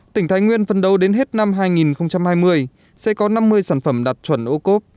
tỉnh thái nguyên phân đấu đến hết năm hai nghìn hai mươi sẽ có năm mươi sản phẩm đạt chuẩn ô cốp